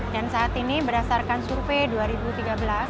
dan saat ini berdasarkan survei dua ribu tiga belas